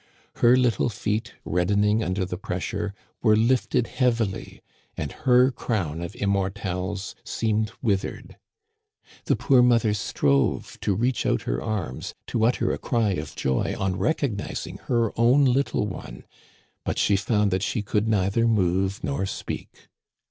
Her little feet, reddening under the pressure, were lifted heavily, and her crown of immortelles seemed withered. The poor mother strove to reach out her arms, to utter a cry of joy on recognizing her own little one, but she found that she could neither move nor speak.